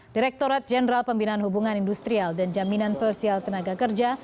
direkturat jenderal pembinaan hubungan industrial dan jaminan sosial tenaga kerja